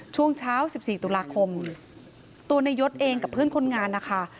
ช่วงเช้า๑๔ตุลาคมตัวนายยศเองกับเพื่อนคนงานนะคะ